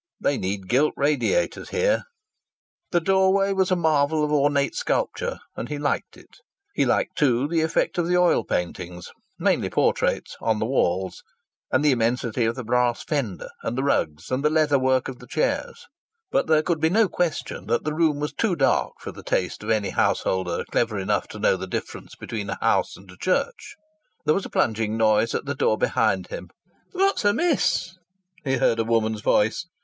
"They need gilt radiators here." The doorway was a marvel of ornate sculpture, and he liked it. He liked, too, the effect of the oil paintings mainly portraits on the walls, and the immensity of the brass fender, and the rugs, and the leather work of the chairs. But there could be no question that the room was too dark for the taste of any householder clever enough to know the difference between a house and a church. There was a plunging noise at the door behind him. "What's amiss?" he heard a woman's voice.